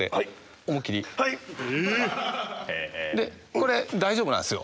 これ大丈夫なんですよ。